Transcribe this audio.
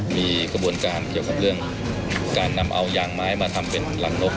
มีกระบวนการเกี่ยวกับเรื่องการนำเอายางไม้มาทำเป็นรังนก